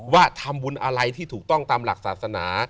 ว่าทำบุญอะไรที่ถูกต้องตามหลักศาสนา